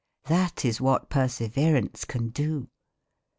That is what perseverance can do!